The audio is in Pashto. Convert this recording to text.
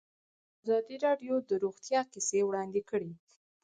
ازادي راډیو د روغتیا کیسې وړاندې کړي.